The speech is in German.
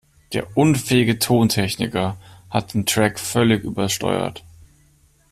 Der unfähige Tontechniker hat den Track völlig übersteuert.